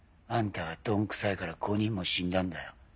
あんたがどんくさいから５人も死んだんだよ。